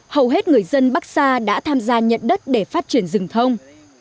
hầu hết người dân bắc sa đã tham gia nhận đất để phát triển rừng thông